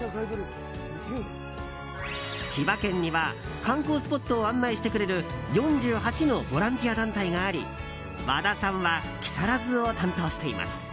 千葉県には観光スポットを案内してくれる４８のボランティア団体があり和田さんは木更津を担当しています。